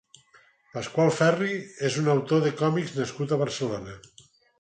Pasqual Ferry és un autor de còmics nascut a Barcelona.